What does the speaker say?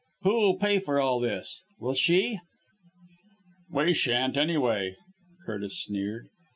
Who'll pay for all this? Will she?" "We shan't, anyway," Curtis sneered.